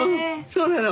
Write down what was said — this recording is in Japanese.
そうなの。